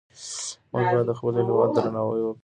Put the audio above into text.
مونږ باید د خپل هیواد درناوی وکړو.